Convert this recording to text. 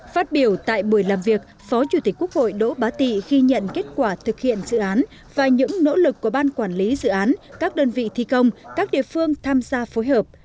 phát biểu tại buổi làm việc phó chủ tịch quốc hội đỗ bá tị ghi nhận kết quả thực hiện dự án và những nỗ lực của ban quản lý dự án các đơn vị thi công các địa phương tham gia phối hợp